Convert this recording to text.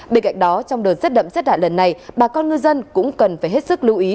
bên cạnh đó trong đợt rét đậm rét hại lần này bà con ngư dân cũng cần phải hết sức lưu ý